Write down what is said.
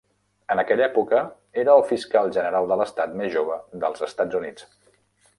En aquella època era el fiscal general de l'estat més jove dels Estats Units.